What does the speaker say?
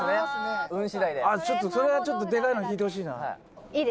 「それはちょっとでかいの引いてほしいな」